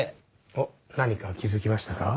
おっ何か気付きましたか？